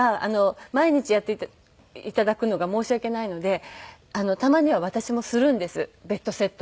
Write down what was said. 毎日やって頂くのが申し訳ないのでたまには私もするんですベッドセットを。